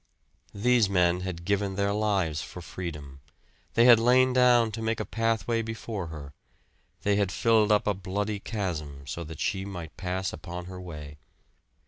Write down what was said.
These men had given their lives for Freedom; they had lain down to make a pathway before her they had filled up a bloody chasm so that she might pass upon her way.